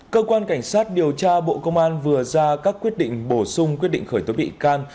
cơ quan cảnh sát điều tra bộ công an vừa ra các quyết định bổ sung quyết định khởi tố bị can